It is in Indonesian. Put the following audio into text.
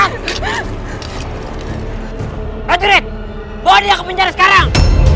mbak jurit bawa dia ke penjara sekarang